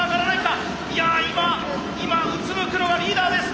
今うつむくのはリーダーです。